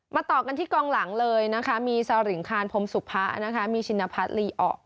มาต่อกันที่กลางหลังเลยมีสริงคาณพมสุภะมีชิณพรรดิ์ลีอ๋อ